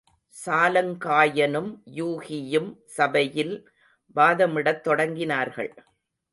சாலங்காயனும் யூகியும் சபையில் வாதமிடத் தொடங்கினார்கள்.